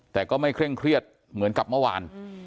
แต่ก็ไม่เคร่งเครียดเหมือนกับเมื่อวาน